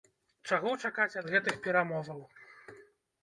Чаго чакаць ад гэтых перамоваў?